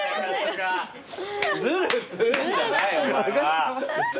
ずるするんじゃないよお前は。